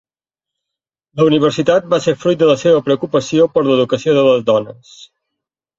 La universitat va ser fruit de la seva preocupació per l'educació de les dones.